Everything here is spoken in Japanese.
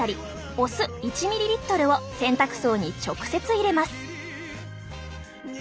お酢１ｍＬを洗濯槽に直接入れます。